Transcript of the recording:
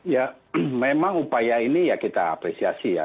ya memang upaya ini ya kita apresiasi ya